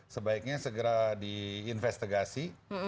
sebaiknya segera diinvestigasi